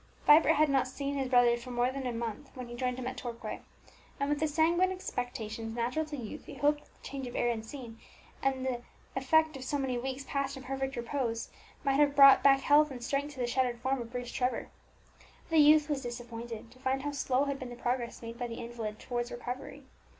Vibert had not seen his brother for more than a month when he joined him at Torquay, and with the sanguine expectations natural to youth he hoped that the change of air and scene, and the effect of so many weeks passed in perfect repose, might have brought back health and strength to the shattered frame of Bruce Trevor. The youth was disappointed to find how slow had been the progress made by the invalid towards recovery.